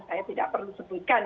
saya tidak perlu sebutkan